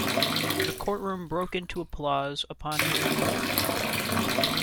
The courtroom broke into applause upon hearing the verdict.